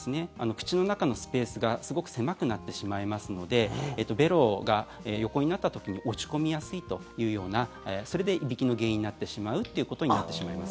口の中のスペースがすごく狭くなってしまいますのでべろが、横になった時に落ち込みやすいというようなそれでいびきの原因になってしまうっていうことになってしまいます。